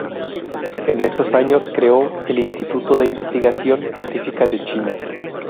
En estos años creó el Instituto de Investigación Científica de China.